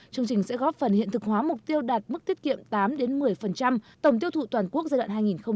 chương trình sẽ góp phần hiện thực hóa mục tiêu đạt mức tiết kiệm tám một mươi tổng tiêu thụ toàn quốc giai đoạn hai nghìn một mươi sáu hai nghìn hai mươi